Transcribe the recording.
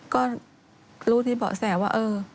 ก็รู้ที่บอกแส๋ว่าเอ่อ